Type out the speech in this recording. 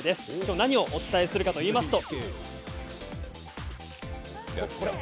何をお伝えするかというと。